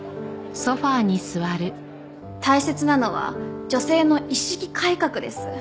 大切なのは女性の意識改革です。